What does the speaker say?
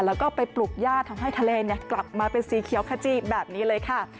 แล้วก็ไปปลุกย่าทำให้ทะเลกลับมาเป็นสีเขียวขจีแบบนี้เลยค่ะ